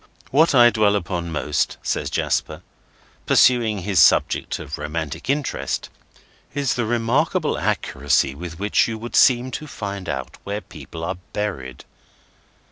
"What I dwell upon most," says Jasper, pursuing his subject of romantic interest, "is the remarkable accuracy with which you would seem to find out where people are buried.